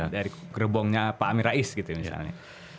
dari gerbongnya pak amin rais gitu misalnya